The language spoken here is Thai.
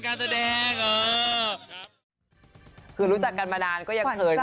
การแสดงคือรู้จักกันมาด้านก็ยังเผินกันอยู่